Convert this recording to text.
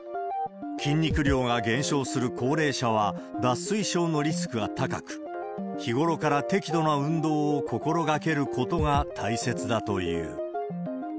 筋肉量が減少する高齢者は、脱水症のリスクが高く、日頃から適度な運動を心がけることが大切だという。